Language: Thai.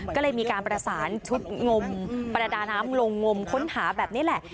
ก็เลยมีการประสานชุดงมประดาน้ำลงงมค้นหาแบบนี้แหละ